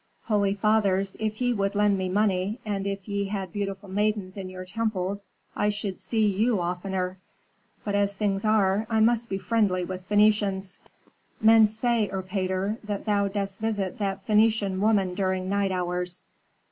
"Holy fathers, if ye would lend me money, and if ye had beautiful maidens in your temples, I should see you oftener. But as things are, I must be friendly with Phœnicians." "Men say, Erpatr, that thou dost visit that Phœnician woman during night hours."